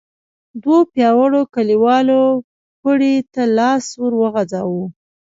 دوو پياوړو کليوالو پړي ته لاس ور وغځاوه.